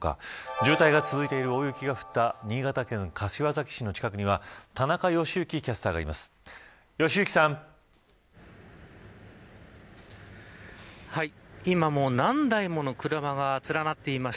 渋滞が続いてる、大雪が降った新潟県柏崎市の近くには田中良幸キャスターがいます。